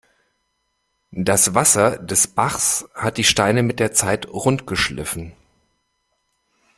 Das Wasser des Bachs hat die Steine mit der Zeit rund geschliffen.